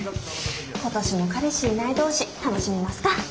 今年も彼氏いない同士楽しみますか。